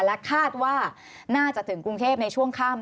และคาดว่าน่าจะถึงกรุงเทพในช่วงค่ำ